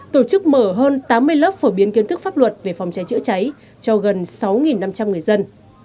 tổ chức mở hơn tám mươi lớp phổ biến kiến thức pháp luật về phòng cháy chữa cháy cho gần sáu năm trăm linh người dân